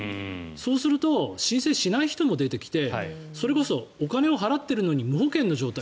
そうすると申請しない人も出てきてそれこそお金を払っているのに無保険の状態。